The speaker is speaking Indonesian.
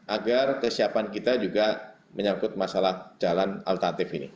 agar kesiapan kita juga menyangkut masalah jalan alternatif ini